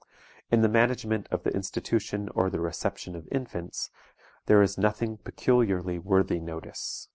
In the management of the institution or the reception of infants, there is nothing peculiarly worthy notice.